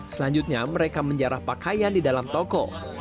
selanjutnya mereka menjarah pakaian di dalam toko